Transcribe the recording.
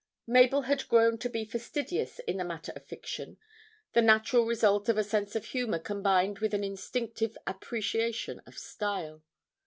Mabel had grown to be fastidious in the matter of fiction, the natural result of a sense of humour combined with an instinctive appreciation of style.